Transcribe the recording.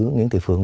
nguyễn thị phượng